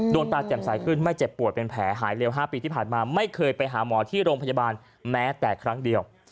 ดวงตาแจ่มใสขึ้นไม่เจ็บปวดเป็นแผลหายเร็ว๕ปีที่ผ่านมาไม่เคยไปหาหมอที่โรงพยาบาลแม้แต่ครั้งเดียว